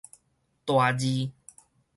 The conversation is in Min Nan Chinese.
大字